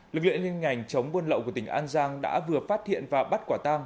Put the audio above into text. lực lượng liên ngành chống buôn lậu của tỉnh an giang đã vừa phát hiện và bắt quả tang